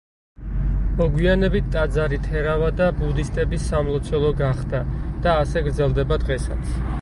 მოგვიანებით ტაძარი თერავადა ბუდისტების სამლოცველო გახდა და ასე გრძელდება დღესაც.